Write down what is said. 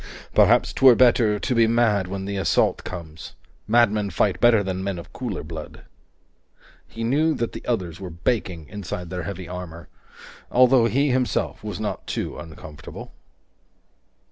"Perhaps 'twere better to be mad when the assault comes. Madmen fight better than men of cooler blood." He knew that the others were baking inside their heavy armor, although he himself was not too uncomfortable.